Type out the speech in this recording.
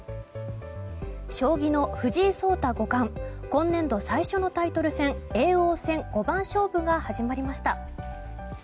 将棋の藤井聡太五冠今年度最初のタイトル戦叡王戦五番勝負が始まりました。